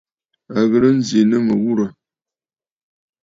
À ghɨ̀rə nzì nɨ mɨ̀ghurə̀.